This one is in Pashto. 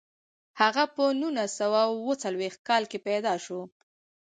هغه په نولس سوه اووه څلویښت کال کې پیدا شو.